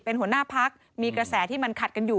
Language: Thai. เป็นหัวหน้าพักมีกระแสที่มันขัดกันอยู่